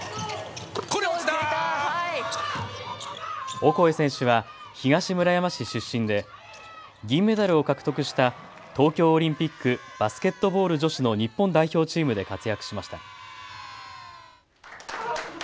オコエ選手は東村山市出身で銀メダルを獲得した東京オリンピックバスケットボール女子の日本代表チームで活躍しました。